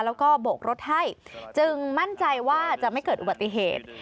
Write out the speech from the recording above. แล้วก็โบกรถให้จึงมั่นใจว่าจะไม่เกิดอุบัติเหตุ